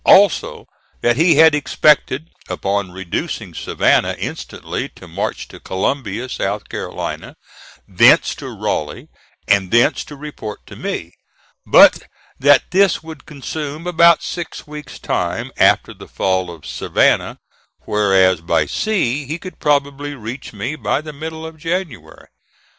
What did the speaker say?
Also that he had expected, upon reducing Savannah, instantly to march to Columbia, South Carolina, thence to Raleigh, and thence to report to me; but that this would consume about six weeks' time after the fall of Savannah, whereas by sea he could probably reach me by the middle of January.